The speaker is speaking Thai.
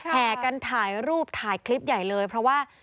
แห่กันถ่ายรูปถ่ายคลิปใหญ่เลยเพราะว่า